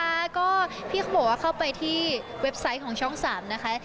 แล้วก็พี่เขาบอกว่าเข้าไปที่เว็บไซต์ของช่อง๓นะคะ